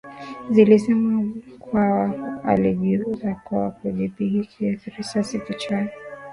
Zilisema Mkwawa alijiua kwa kujipiga risasi kichwani